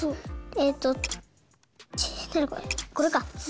えっとちこれか。